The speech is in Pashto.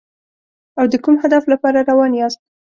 او د کوم هدف لپاره روان یاست.